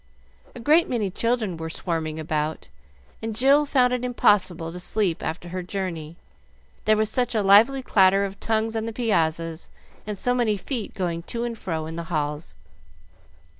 A great many children were swarming about, and Jill found it impossible to sleep after her journey, there was such a lively clatter of tongues on the piazzas, and so many feet going to and fro in the halls.